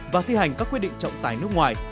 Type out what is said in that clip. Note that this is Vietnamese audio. và thi hành các quyết định trọng tài nước ngoài